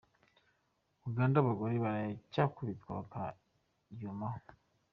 Uganda Abagore baracyakubitwa bakaryumaho